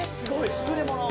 優れもの。